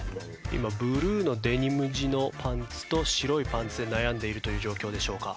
今ブルーのデニム地のパンツと白いパンツで悩んでいるという状況でしょうか。